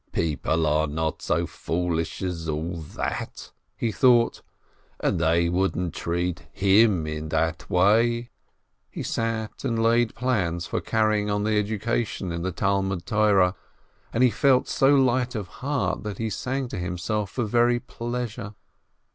"People are not so foolish as all that," he thought, "and they wouldn't treat him in that way !" He sat and laid plans for carrying on the education in the Talmud Torah, and he felt so light of heart that he sang to himself for very pleasure.